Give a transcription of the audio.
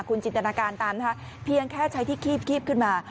คุณจินตนาการตามนะคะเพียงแค่ใช้ที่คีบขึ้นมา